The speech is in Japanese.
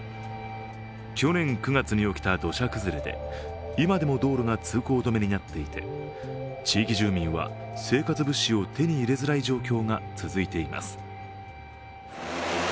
去年９月に起きた土砂崩れで今でも道路が通行止めになっていて、地域住民は生活物資を手に入れづらい状況が続いています。